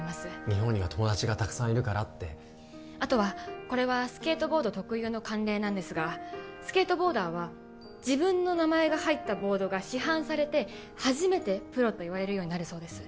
日本には友達がたくさんいるからってあとはこれはスケートボード特有の慣例なんですがスケートボーダーは自分の名前が入ったボードが市販されて初めてプロといわれるようになるそうです